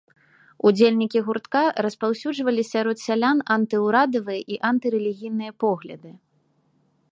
Удзельнікі гуртка распаўсюджвалі сярод сялян антыўрадавыя і антырэлігійныя погляды.